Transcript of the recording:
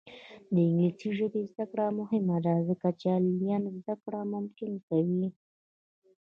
د انګلیسي ژبې زده کړه مهمه ده ځکه چې آنلاین زدکړه ممکنه کوي.